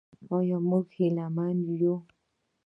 آیا موږ هیله مند یو؟